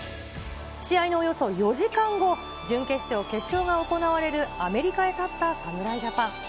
試合のおよそ４時間後、準決勝、決勝が行われるアメリカへたった侍ジャパン。